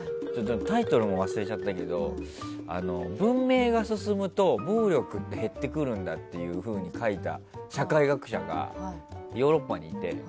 タイトル、忘れちゃったけど文明が進むと暴力って減ってくるんだって書いた社会学者がヨーロッパにいて。